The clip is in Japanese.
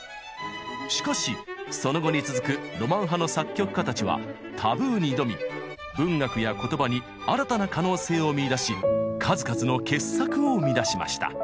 しかしその後に続くロマン派の作曲家たちはタブーに挑み文学や言葉に新たな可能性を見いだし数々の傑作を生み出しました。